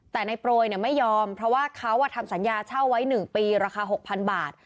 แต่นายโปรยเนี่ยไม่ยอมเพราะว่าเขาทำสัญญาเช่าไว้หนึ่งปีราคาหกพันบาท